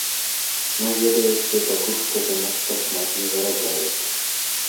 Ну ведаеце, пакуль што занадта шмат не зарабляюць.